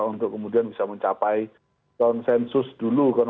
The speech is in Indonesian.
untuk kemudian bisa mencapai konsensus dulu